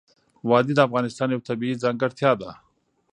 وادي د افغانستان یوه طبیعي ځانګړتیا ده.